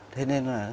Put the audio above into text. thế nên là